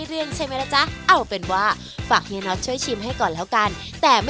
เดี๋ยวมานั่งรอนะครับ